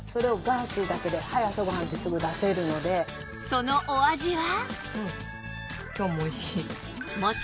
そのお味は